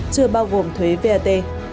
chưa bao gồm thuế vat